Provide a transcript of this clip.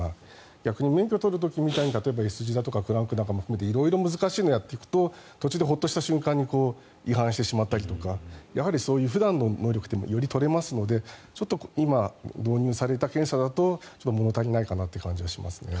逆に免許を取る時にＳ字とかクランクとか色々難しいのをやっていくと途中でホッとした瞬間に違反してしまったりとかやはりそういう普段の能力ってより取れますので今、導入された検査だと物足りないかなという感じがしますね。